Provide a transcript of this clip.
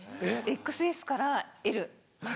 ＸＳからＬまで。